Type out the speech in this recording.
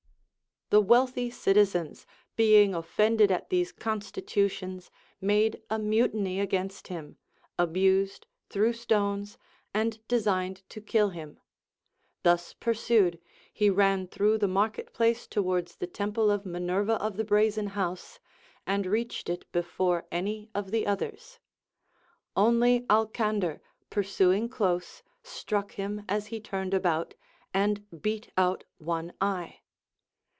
The wealthy citizens being offended at these constitu tions made a mutiny against him, abused, threw stones, and designed to kill him. Thus pursued, he ran through the market place towards the temple of Minerva of the Brazen House, and reached it before any of the others ; only Alcander pursuing close struck him as he turned about, and beat out one eye.